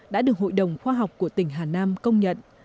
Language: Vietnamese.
đã được hội đồng khoa học của tỉnh hà nam công nhận